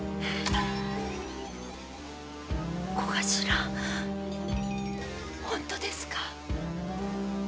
小頭本当ですか？